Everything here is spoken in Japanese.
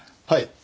はい。